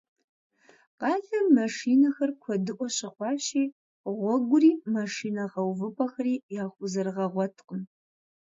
Къалэм машинэхэр куэдыӏуэ щыхъуащи, гъуэгури машинэ гъэувыпӏэхэри яхузэрыгъэгъуэткъым.